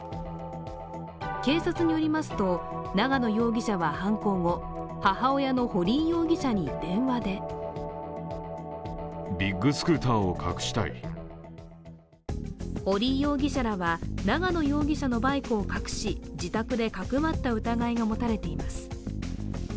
警察によりますと、永野容疑者は犯行後、母親の堀井容疑者に電話で堀井容疑者らは永野容疑者らのバイクを隠し自宅でかくまった疑いが持たれています。